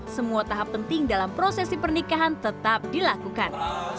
semua tahap penting dalam prosesi pernikahan tetap dilakukan